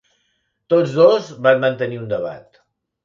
Tots dos van mantenir un debat.